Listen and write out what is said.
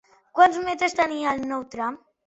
Quants metres tenia el nou tram?